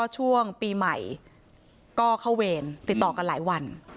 ช่วงปีใหม่ก็เข้าเวรติดต่อกันหลายวัน